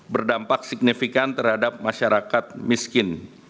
berdampak signifikan terhadap masyarakat miskin